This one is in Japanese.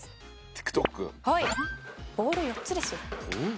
「はい」「ボール４つですよ」